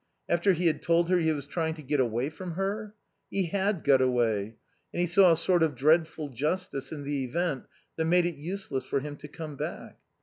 After he had told her he was trying to get away from her? He had got away; and he saw a sort of dreadful justice in the event that made it useless for him to come back.